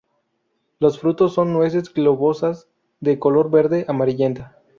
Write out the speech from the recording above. Los frutos son nueces globosas de color verde amarillenta.